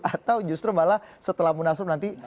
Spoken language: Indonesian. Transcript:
atau justru malah setelah munaslup nanti